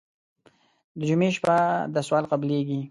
د جمعې شپه ده سوال قبلېږي.